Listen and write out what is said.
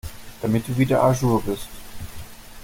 Damit du wieder à jour bist.